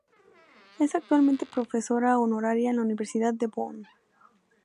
Es actualmente profesora honoraria en la Universidad de Bonn.